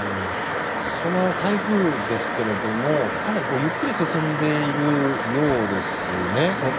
その台風ですが、かなりゆっくり進んでいるようですね。